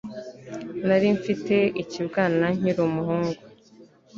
Nari mfite ikibwana nkiri umuhungu